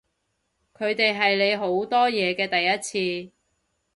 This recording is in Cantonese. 佢哋係你好多嘢嘅第一次